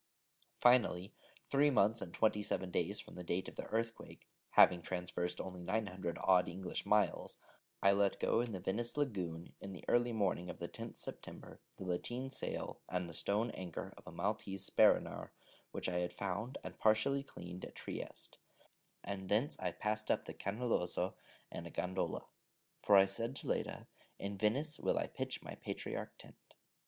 Finally, three months and twenty seven days from the date of the earthquake, having traversed only 900 odd English miles, I let go in the Venice lagoon, in the early morning of the 10th September, the lateen sail and stone anchor of a Maltese speronare, which I had found, and partially cleaned, at Trieste; and thence I passed up the Canalazzo in a gondola. For I said to Leda: 'In Venice will I pitch my Patriarch tent.'